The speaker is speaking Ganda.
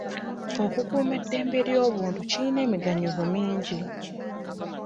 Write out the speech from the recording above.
Okukuuma eddembe ly'obuntu kirina emiganyulo mingi.